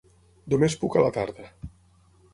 Només puc a la tarda.